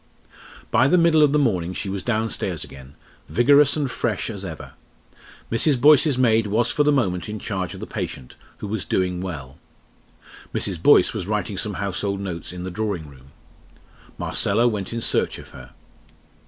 By the middle of the morning she was downstairs again, vigorous and fresh as ever. Mrs. Boyce's maid was for the moment in charge of the patient, who was doing well. Mrs. Boyce was writing some household notes in the drawing room. Marcella went in search of her.